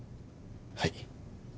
はい。